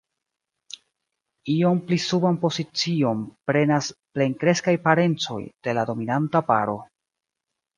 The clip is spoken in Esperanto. Iom pli suban pozicion prenas plenkreskaj parencoj de la dominanta paro.